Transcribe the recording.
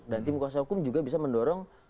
dan tim kuasa hukum juga bisa mendorong